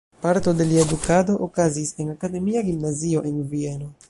Parto de lia edukado okazis en Akademia Gimnazio en Vieno.